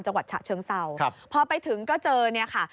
จังหวัดฉะเชิงเศร้าพอไปถึงก็เจอเนี่ยค่ะ